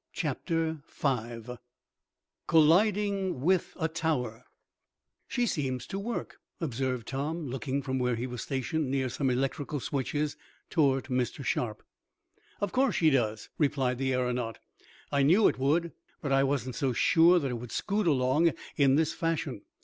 Chapter 5 Colliding With A Tower "She seems to work," observed Tom, looking from where he was stationed near some electrical switches, toward Mr. Sharp. "Of course she does," replied the aeronaut. "I knew it would, but I wasn't so sure that it would scoot along in this fashion.